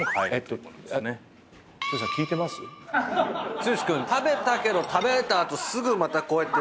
剛君食べたけど食べた後すぐまたこうやって。